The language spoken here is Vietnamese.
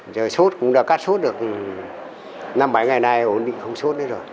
giờ sốt cũng đã cắt sốt được năm bảy ngày nay ổn định không sốt đấy rồi